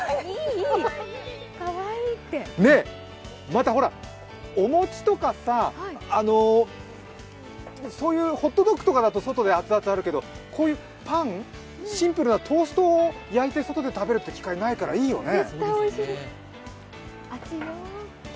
またほら、お餅とか、ホットドッグとかだｓと外で熱々あるけど、こういうパン、シンプルなトーストを焼いて外で食べるって機会、ないから、いいよね。